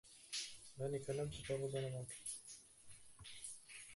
When Chamberlain caved in, the invasion was unnecessary, and the coup was aborted.